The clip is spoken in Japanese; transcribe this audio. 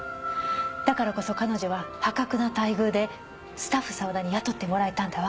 だからこそ彼女は破格な待遇でスタッフＳＡＷＡＤＡに雇ってもらえたんだわ。